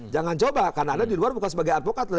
jangan coba karena anda di luar bukan sebagai advokat loh